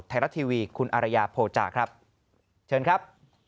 ไทยรัฐทีวีคุณอารยาโภจาครับเชิญครับ